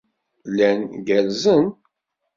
Llan gerrzen.